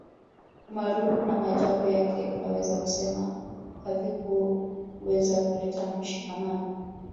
Umaarufu na maajabu yake unaweza kusema havikuweza kuleta mshikamano